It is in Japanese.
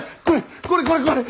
これ！